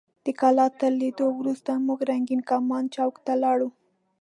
د کلا تر لیدو وروسته موږ رنګین کمان چوک ته لاړو.